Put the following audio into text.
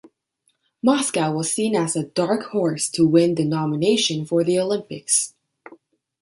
Moscow was seen as the dark horse to win the nomination for the Olympics.